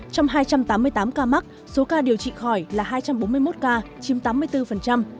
trong hai trăm tám mươi tám ca mắc số ca điều trị khỏi là hai trăm bốn mươi một ca chiếm tám mươi bốn